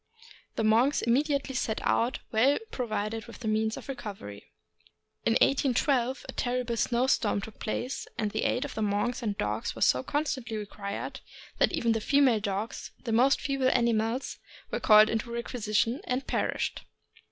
.,.»... The monks immediately set out, well provided with means of recovery. In 1812 a terrible snow storm took place, and the aid of the monks and dogs was so constantly required that even the female dogs, the most feeble ani mals, were called into requisition, and perished.